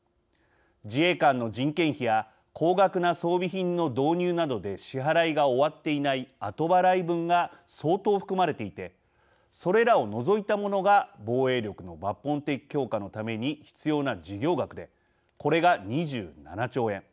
自衛官の人件費や高額な装備品の導入などで支払いが終わっていない後払い分が相当含まれていてそれらを除いたものが防衛力の抜本的強化のために必要な事業額でこれが２７兆円。